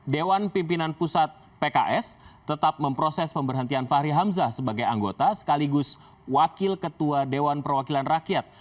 dewan pimpinan pusat pks tetap memproses pemberhentian fahri hamzah sebagai anggota sekaligus wakil ketua dewan perwakilan rakyat